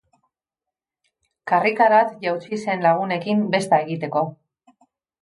Karrikarat jautsi zen lagunekin besta egiteko.